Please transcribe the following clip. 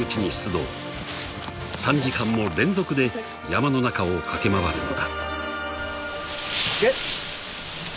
［３時間も連続で山の中を駆け回るのだ］